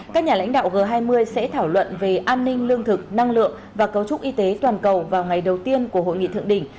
các nhà lãnh đạo g hai mươi sẽ thảo luận về an ninh lương thực năng lượng và cấu trúc y tế toàn cầu vào ngày đầu tiên của hội nghị thượng đỉnh